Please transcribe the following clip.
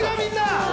みんな。